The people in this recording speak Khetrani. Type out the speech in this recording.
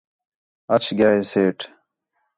اَچ ڳِیا ہیں سیٹھ